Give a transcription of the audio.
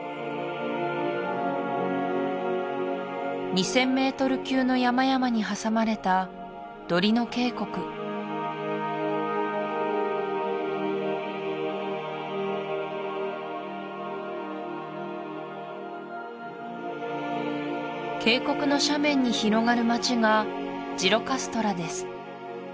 ２０００ｍ級の山々に挟まれたドリノ渓谷渓谷の斜面に広がる町がジロカストラです